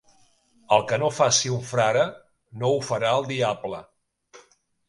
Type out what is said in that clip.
El que no faci un frare, no ho farà el diable.